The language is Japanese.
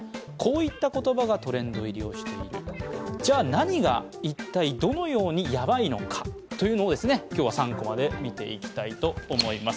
何が一体どのようにヤバいのかというのを今日は３コマで見ていきたいと思います。